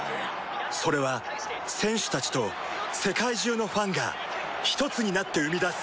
それは選手たちと世界中のファンがひとつになって生み出す